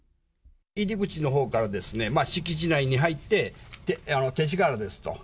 入り口のほうからですね、敷地内に入って、勅使河原ですと。